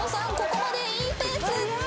ここまでいいペース。